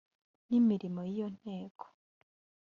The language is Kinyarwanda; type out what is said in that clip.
ry imirimo y iyo nteko